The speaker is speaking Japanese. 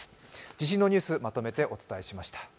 地震のニュース、まとめてお伝えしました。